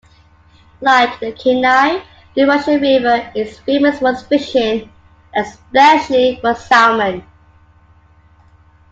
Like the Kenai, the Russian River is famous for its fishing, especially for salmon.